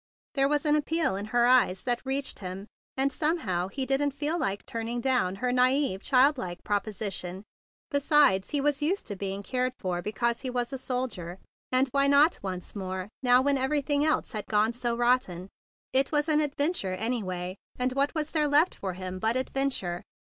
There was an appeal in her eyes that reached him; and somehow he didn't feel like turning down her naive, childlike proposition. Besides, he was used to being cared for because he was THE BIG BLUE SOLDIER 41 a soldier, and why not once more now when everything else had gone so rot¬ ten? It was an adventure, anyway, and what was there left for him but ad¬ venture?